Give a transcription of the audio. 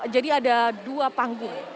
jadi ada dua panggung